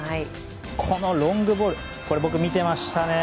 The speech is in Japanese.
このロングボールこれ、僕見ていましたね。